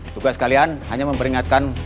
tugas kalian hanya memberingatkan